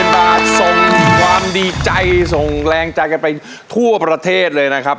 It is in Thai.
๔๐๐๐๐บาทส่งความดีใจส่งแรงใจไปทั่วประเทศเลยนะครับ